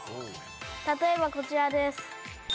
例えばこちらです